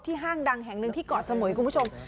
ห้างดังแห่งหนึ่งที่เกาะสมุยคุณผู้ชม